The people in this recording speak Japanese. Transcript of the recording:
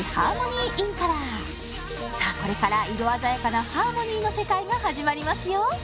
これから色鮮やかなハーモニーの世界が始まりますよ